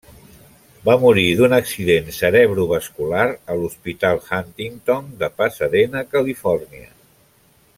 Va morir d'un accident cerebrovascular a l'Hospital Huntington de Pasadena, Califòrnia.